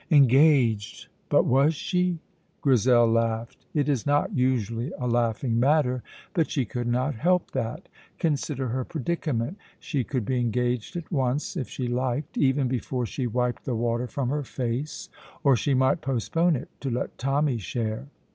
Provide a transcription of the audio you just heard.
Engaged! But was she? Grizel laughed. It is not usually a laughing matter, but she could not help that. Consider her predicament. She could be engaged at once, if she liked, even before she wiped the water from her face, or she might postpone it, to let Tommy share.